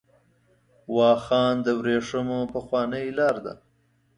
واخان د ورېښمو پخوانۍ لار ده .